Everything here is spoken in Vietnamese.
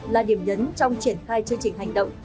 là điểm nhấn trong triển khai chương trình hành động